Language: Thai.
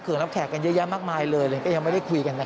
คือแม้ว่าจะมีการเลื่อนงานชาวพนักกิจแต่พิธีไว้อาลัยยังมีครบ๓วันเหมือนเดิม